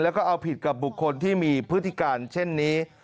แล้วก็เอาผิดกับบุคคลที่มีพฤติการเช่นนี้